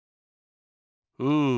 うん。